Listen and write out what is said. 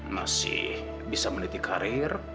masih bisa meniti karir